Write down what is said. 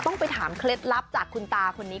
ไปถามเคล็ดลับจากคุณตาคนนี้